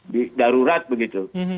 di darurat begitu